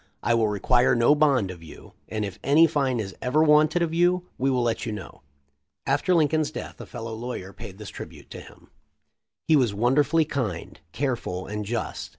I will require no bond of you, and if any fine is ever wanted of you, we will let you know." After Lincoln's death a fellow lawyer paid this tribute to him :* "He was wonderfully kind, careful, and just.